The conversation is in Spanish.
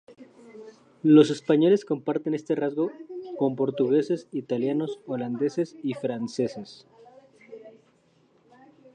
Los españoles comparten este rasgo con portugueses, italianos, holandeses y franceses.